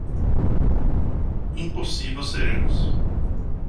Impossível ser eles